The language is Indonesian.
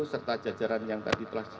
serta jajaran yang tadi telah